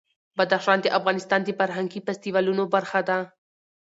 بدخشان د افغانستان د فرهنګي فستیوالونو برخه ده.